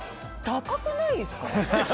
高くないですか？